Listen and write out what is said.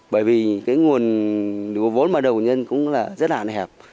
bởi vì cái nguồn vốn mà đầu của nhân cũng là rất là hạn hẹp